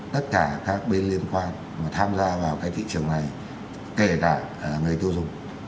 tất cả các bên liên quan mà tham gia vào cái thị trường này kể cả người tiêu dùng